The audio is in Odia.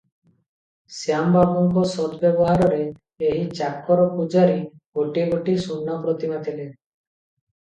ଶ୍ୟାମ ବାବୁଙ୍କ ସଦ୍ ବ୍ୟବହାରରେ ଏହି ଚାକର ପୂଜାରୀ ଗୋଟିଏ ଗୋଟିଏ ସୁନା ପ୍ରତିମା ଥିଲେ ।